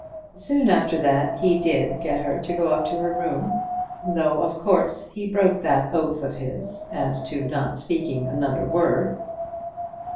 Soon after that he did get her to go up to her room, though, of course, he broke that oath of his as to not speaking another word.